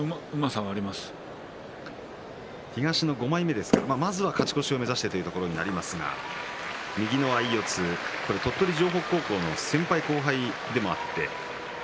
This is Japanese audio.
東の５枚目まずは勝ち越しを目指してというところですが右の相四つ鳥取城北高校の先輩、後輩でもあります。